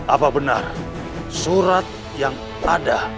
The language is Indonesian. apa benar surat yang ada di dalam surat itu